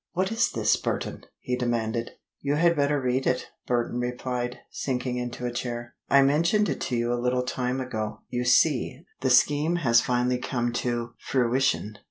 "What is this, Burton?" he demanded. "You had better read it," Burton replied, sinking into a chair. "I mentioned it to you a little time ago. You see, the scheme has finally come to fruition."